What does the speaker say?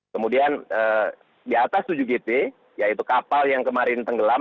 kemudian di atas tujuh gt yaitu kapal yang kemarin tenggelam